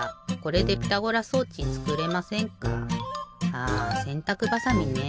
ああせんたくばさみねえ。